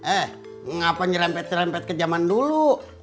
eh mengapa nyerempet nyerempet ke zaman dulu